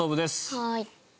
はい。